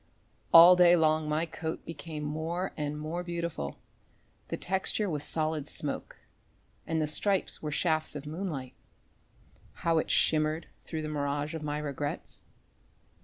All day long my coat became more and more beautiful. The texture was solid smoke and the stripes were shafts of moonlight. How it shimmered through the mirage of my regrets.